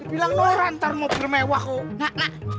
dibilang lo rantar mau bermewah kok